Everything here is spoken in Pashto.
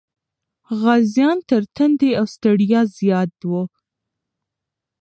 غازيان تر تندې او ستړیا زیات و.